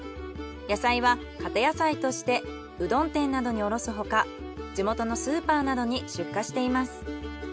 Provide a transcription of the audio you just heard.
野菜はかて野菜としてうどん店などに卸す他地元のスーパーなどに出荷しています。